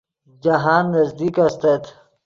جاہند نزدیک استت